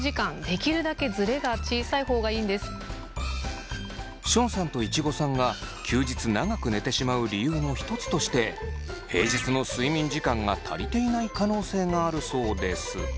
まずションさんといちごさんが休日長く寝てしまう理由の一つとして平日の睡眠時間が足りていない可能性があるそうです。